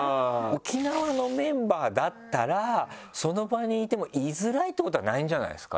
沖縄のメンバーだったらその場にいてもいづらいってことはないんじゃないですか？